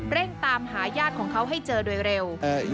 เร่งตามหาญาติของเขาให้เจอโดยเร็ว